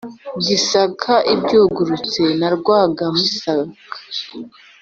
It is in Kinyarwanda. gisaka ibyukurutse na rwanga-misaka.